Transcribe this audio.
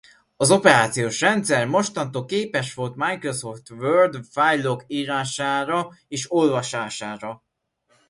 Az operációs rendszer mostantól képes volt Microsoft Word fájlok írására és olvasására.